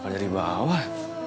apa dari bawah